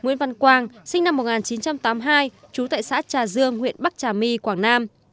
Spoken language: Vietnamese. nguyễn văn quang sinh năm một nghìn chín trăm tám mươi hai trú tại xã trà dương huyện bắc trà my quảng nam